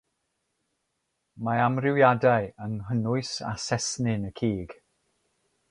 Mae amrywiadau yng nghynnwys a sesnin y cig.